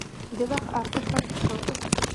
د وخت ارزښت ولې پکار دی؟